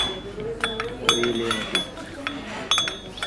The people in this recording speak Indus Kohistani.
تُو ایلیۡ اْے مٹی!